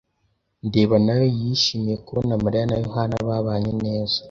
ndeba nayo yishimiye kubona Mariya na Yohana babanye neza.